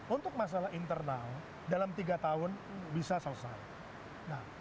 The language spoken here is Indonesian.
untuk masalah internal dalam tiga tahun bisa selesai